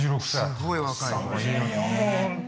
すごい若いの。